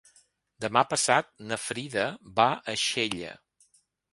Demà passat na Frida va a Xella.